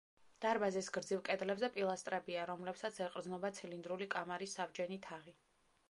დარბაზის გრძივ კედლებზე პილასტრებია, რომლებსაც ეყრდნობა ცილინდრული კამარის საბჯენი თაღი.